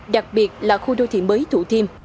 đặc biệt là khu đô thị mới thủ thiêm